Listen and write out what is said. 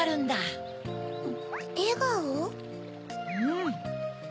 うん！